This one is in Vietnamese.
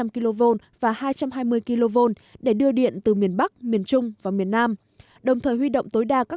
một trăm linh kv và hai trăm hai mươi kv để đưa điện từ miền bắc miền trung và miền nam đồng thời huy động tối đa các